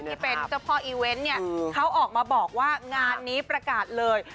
ที่เป็นเจ้าพ่ออีเวนต์เนี่ยเขาออกมาบอกว่างานนี้ประกาศเลย